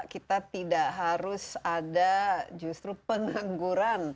kita tidak harus ada justru pengangguran